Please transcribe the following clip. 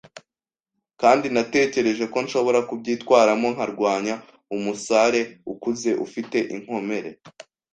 kandi natekereje ko nshobora kubyitwaramo nkarwanya umusare ukuze ufite inkomere